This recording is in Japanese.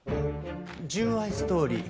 純愛ストーリー